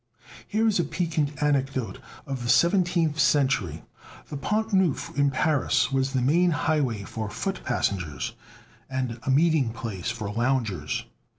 Here is a piquant anecdote of the seventeenth century. The Pont Neuf in Paris was the main highway for foot passengers, and a meeting place for loungers.